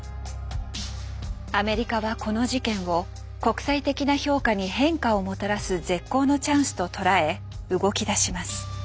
アメリカはこの事件を国際的な評価に変化をもたらす絶好のチャンスと捉え動きだします。